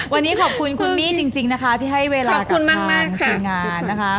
วันนี้ขอบคุณคุณมี่จริงนะคะที่ให้เวลากับการเชิงงานนะคะ